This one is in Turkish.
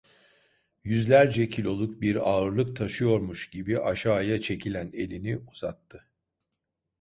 Yüzlerce kiloluk bir ağırlık taşıyormuş gibi aşağıya çekilen elini uzattı.